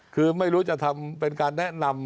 คือไม่รู้จะทำเป็นการแนะนำ